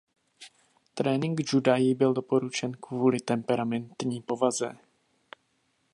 Trénink juda jí byl doporučen kvůli temperamentní povaze.